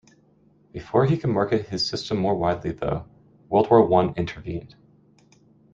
Before he could market his system more widely, though, World War One intervened.